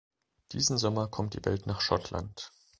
Diesen Sommer kommt die Welt nach Schottland.